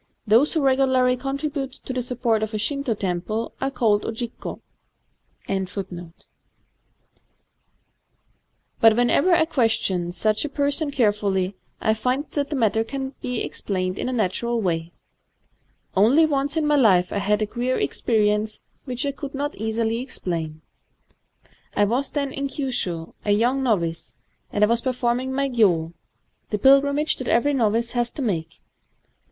Tboee who legukrlj contribute to the toppoit of a Shmto temple are called C/jf/Ap. Digitized byVnOOQlC 204 A MATTER OF CUSTOM person carefully, I find that the matter can be explained in a natural way. " Only once in my life I had a queer experience which I could not easily explain. I was then in Kyushu, — a young novice; and I was performing my gyo, — the pilgrimage that every novice has to make.